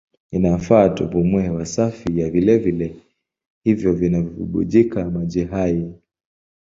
Inafaa tupumue hewa safi ya vilele hivyo vinavyobubujika maji hai.